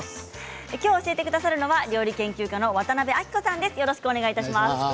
きょう教えてくださるのは料理研究家の渡辺あきこさんです。